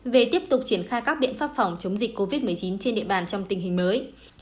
về tiếp tục triển khai các biện pháp phòng chống dịch covid một mươi chín trên địa bàn trong tình hình mới